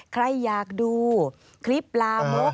ใครอยากดูคลิปลามก